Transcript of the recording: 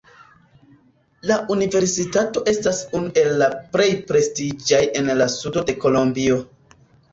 La universitato estas unu el la plej prestiĝaj en la sudo de kolombio.